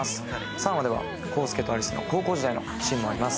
３話では康介と有栖の高校時代のシーンもあります。